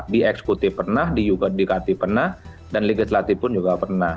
di eksekutif pernah dikati pernah dan legislatif pun juga pernah